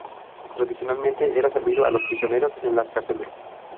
Tradicionalmente era servido a los prisioneros en las cárceles.